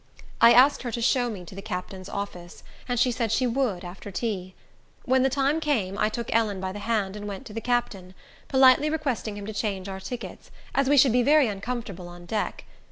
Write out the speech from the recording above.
I asked her to show me to the captain's office, and she said she would after tea. When the time came, I took Ellen by the hand and went to the captain, politely requesting him to change our tickets, as we should be very uncomfortable on deck.